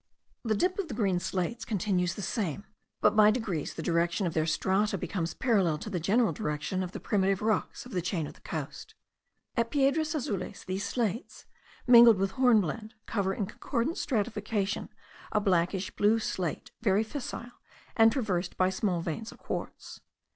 The dip of the green slates continues the same; but by degrees the direction of their strata becomes parallel to the general direction of the primitive rocks of the chain of the coast. At Piedras Azules these slates, mingled with hornblende, cover in concordant stratification a blackish blue slate, very fissile, and traversed by small veins of quartz.